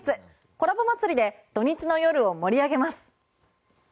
コラボ祭りで土日の夜を盛り上げます！